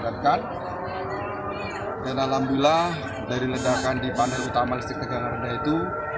dan alhamdulillah dari ledakan di panel utama listrik tegangan rendah itu